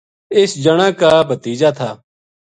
اس جنا کا بھتیجا تھا